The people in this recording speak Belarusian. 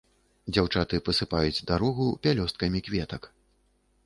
Дзяўчаты пасыпаюць дарогу пялёсткамі кветак.